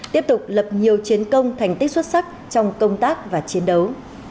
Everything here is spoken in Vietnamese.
tiếp tục lập nhiều chiến công thành tích xuất sắc trong công tác và chiến đấu